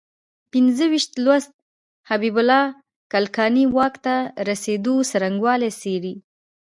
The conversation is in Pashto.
پنځه ویشتم لوست حبیب الله کلکاني واک ته رسېدو څرنګوالی څېړي.